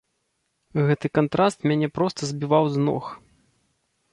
Гэты кантраст мяне проста збіваў з ног.